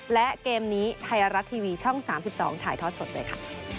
และเกมนี้ไทยรัฐทีวีช่อง๓๒ถ่ายทอดสดด้วยค่ะ